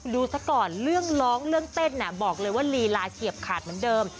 ซะก่อนเรื่องร้องเรื่องเต้นบอกเลยว่าลีลาเฉียบขาดเหมือนเดิม